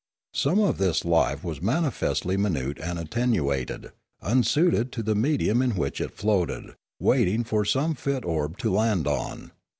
Some of this life was manifestly minute and attenuated, unsuited to the medium in which it floated, waiting for some fit orb to land on.